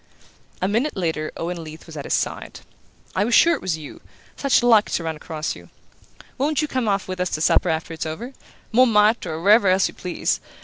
A minute later Owen Leath was at his side. "I was sure it was you! Such luck to run across you! Won't you come off with us to supper after it's over? Montmartre, or wherever else you please.